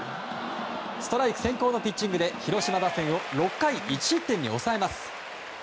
ストライク先行のピッチングで広島打線を６回１失点に抑えます。